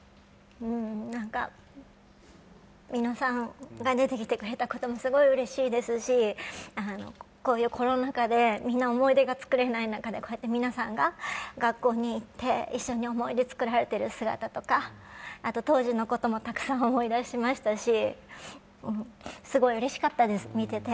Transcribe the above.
みのさんが出てきてくれたことがすごいうれしいですしこういう中で、みんな思い出が作れない中で皆さんが学校に行って一緒に思いで作られてる姿とか、あと、当時のこともたくさん思い出しましたし、見ててすごいうれしかったです。